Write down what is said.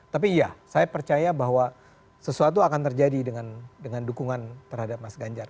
tapi iya saya percaya bahwa sesuatu akan terjadi dengan dukungan terhadap mas ganjar